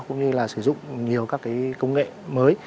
cũng như là sử dụng nhiều công nghệ mới